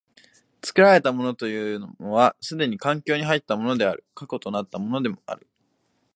作られたものというのは既に環境に入ったものである、過去となったものである。